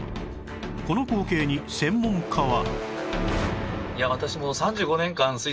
この光景に専門家は